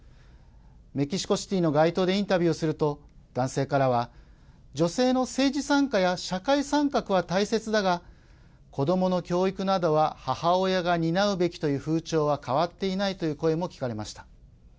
メキシコシティーの街頭でインタビューをすると男性からは女性の政治参加や社会参画は大切だが子どもの教育などは母親が担うべきという風潮は変わっていないという声も聞かれました。